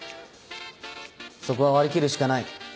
そこは割り切るしかない。